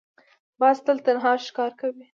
باز تل تنها ښکار کوي